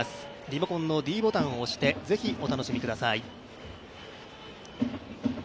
リモコンのｄボタンを押してぜひお楽しみください。